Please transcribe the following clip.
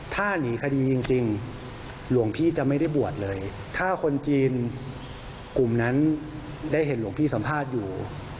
ถ้าหนีคดีจริงหลวงพี่จะไม่ได้บวชเลยถ้าคนจีนกลุ่มนั้นได้เห็นหลวงพี่สัมภาษณ์อยู่